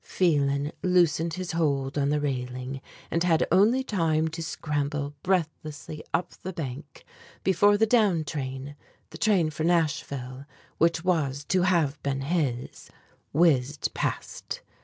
Phelan loosened his hold on the railing and had only time to scramble breathlessly up the bank before the down train, the train for Nashville which was to have been his, whizzed past.